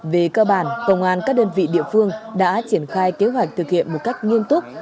về cơ bản công an các đơn vị địa phương đã triển khai kế hoạch thực hiện một cách nghiêm túc